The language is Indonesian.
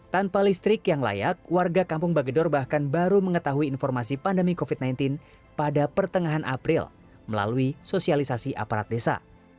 tanpa listrik yang layak warga kampung bagedor bahkan baru mengetahui informasi pandemi covid sembilan belas pada pertengahan april melalui sosialisasi aparat desa